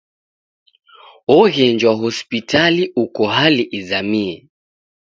Oghenjwa hospitali uko hali izamie.